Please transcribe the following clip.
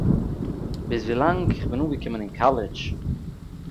ביז ווילאַנג איך בין אָנגעקומען אין קאַלעדזש